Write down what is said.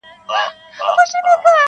• له هغه پیونده جوړ د ژوندون خوند کړي -